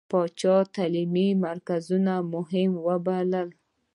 پاچا تعليمي مرکزونه مهم ووبلل.